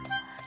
ada cewek lain